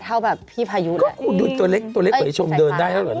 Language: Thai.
เท่าแบบพี่ภายุแหละก็คือตัวเล็กตัวเล็กกว่าที่ชมเดินได้แล้วหรือนะ